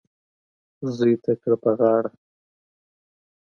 زوی ته کړه په غاړه